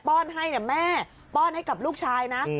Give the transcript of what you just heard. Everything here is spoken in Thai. ้อนให้แม่ป้อนให้กับลูกชายนะ